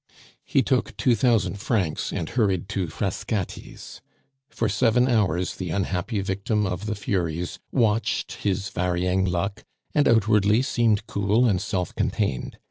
He took two thousand francs and hurried to Frascati's. For seven hours the unhappy victim of the Furies watched his varying luck, and outwardly seemed cool and self contained.